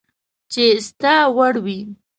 چي ستا وړ وي